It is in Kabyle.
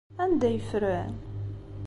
Anda ay ffren?